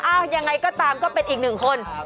ยังไงก็ตามก็เป็นอีกหนึ่งคน